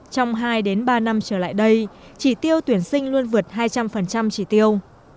trong hai ba năm trở lại đây chỉ tiêu tuyển sinh luôn vượt hai trăm linh chỉ tiêu